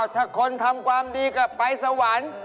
ถ้าคนทำความดีก็ไปสวรรค์